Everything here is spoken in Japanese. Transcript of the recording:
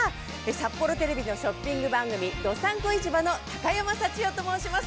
札幌テレビのショッピング番組『どさんこ市場』の高山幸代と申します